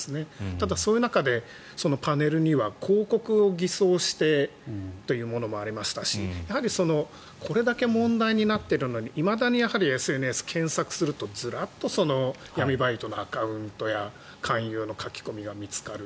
ただ、そういう中でパネルには広告を偽装してというものもありましたしやはりこれだけ問題になっているのにいまだにＳＮＳ、検索するとずらっと闇バイトのアカウントや勧誘の書き込みが見つかる。